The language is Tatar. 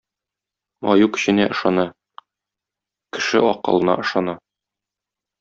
Аю көченә ышана, кеше акылына ышана.